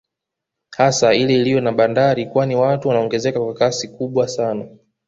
Hasa ile iliyo na Bandari kwani watu wanaongezeka kwa kasi kubwa sana